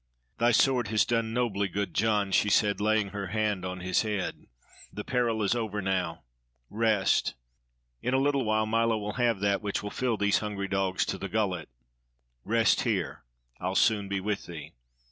"Thy sword has done nobly, good John," she said, laying her hand on his head. "The peril is over now. Rest. In a little while Milo will have that which will fill these hungry dogs to the gullet. Rest here. I'll soon be with thee."